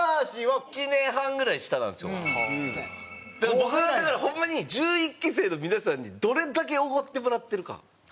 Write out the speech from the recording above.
僕はだからホンマに１１期生の皆さんにどれだけおごってもらってるか。